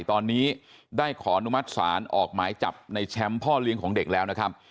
ตอนนี้ได้ขออนุมัติศาลออกหมายจับในแชมป์พ่อเลี้ยงของเด็กแล้วนะครับ